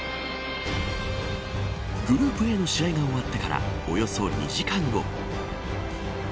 グループＡの試合が終わってからおよそ２時間後。